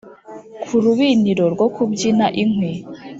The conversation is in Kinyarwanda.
ku rubiniro rwo kubyina inkwi,